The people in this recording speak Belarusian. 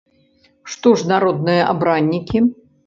Што ж народныя абраннікі?